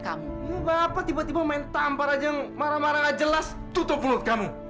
kamu sudah kelewatan seperti itu mbak ibu